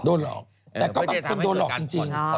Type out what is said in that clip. หลอกแต่ก็บางคนโดนหลอกจริง